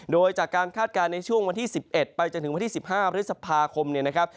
โดยจากการคาดการณ์ในช่วงวันที่๑๑ไปจนถึงวันที่๑๕พฤษภาคมเนี่ยนะครับ